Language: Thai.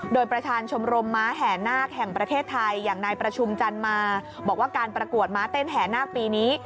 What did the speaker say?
โดยประธานชมรมม้าแห่นาคแห่งประเทศไทยอย่างนายประชุมจันมาบอกว่าการประกวดม้าเต้นแห่นาคปีนี้